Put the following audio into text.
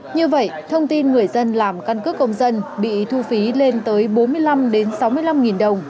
như vậy thông tin người dân làm căn cước công dân bị thu phí lên tới bốn mươi năm sáu mươi năm đồng